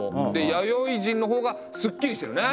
弥生人の方がすっきりしてるね。